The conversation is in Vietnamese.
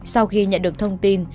sau khi nhận được thông tin